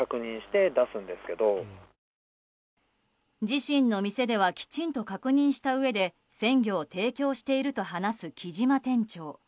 自身の店ではきちんと確認したうえで鮮魚を提供していると話す木島店長。